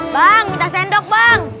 bang kita sendok bang